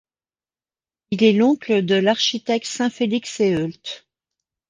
Il est l'oncle de l'architecte Saint-Félix Seheult.